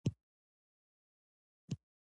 پروګرامر بالښت یو څه ښکته کړ